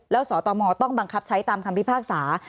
แล้วสตมต้องบังคับใช้ตามคำพิพากษา